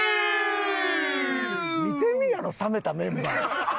見てみいあの冷めたメンバー。